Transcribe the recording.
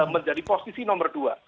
menjadi posisi nomor dua